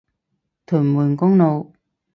屯門公路